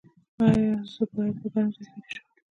ایا زه باید په ګرم ځای کې ویده شم؟